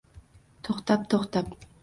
To’xtab-to’xtab